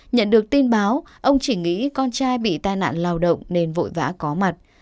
nhận được tin báo ông chỉ nghĩ con trai bị tai nạn lao động nên vội vã có mặt